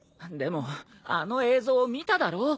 でもあの映像を見ただろ？